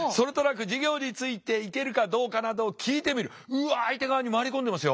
うわっ相手側に回り込んでますよ。